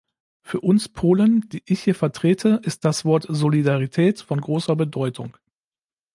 Für uns Polen, die ich hier vertrete, ist das Wort "Solidarität" von großer Bedeutung.